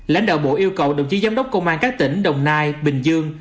lãnh đạo bộ yêu cầu đồng chí giám đốc công an các tỉnh đồng nai bình dương